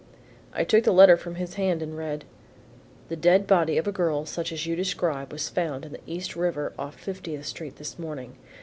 I took the letter from his hand and read: The dead body of a girl such as you describe was found in the East river off Fiftieth Street this morning.